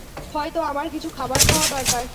হয়তো আমার কিছু খাবার খাওয়া দরকার।